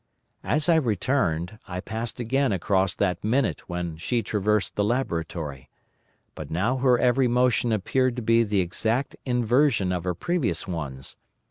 As I returned, I passed again across that minute when she traversed the laboratory. But now her every motion appeared to be the exact inversion of her previous ones.